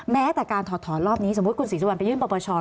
แม้แต่การถอดถอนรอบนี้สมมุติคุณศรีสุวรรณไปยื่นปปช